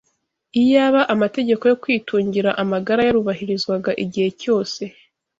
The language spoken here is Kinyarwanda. iyaba amategeko yo kwitungira amagara yarubahirizwaga igihe cyose